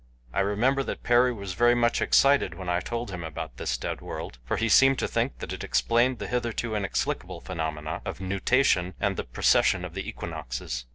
I remember that Perry was very much excited when I told him about this Dead World, for he seemed to think that it explained the hitherto inexplicable phenomena of nutation and the precession of the equinoxes.